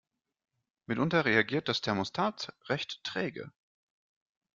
Mitunter reagiert das Thermostat recht träge.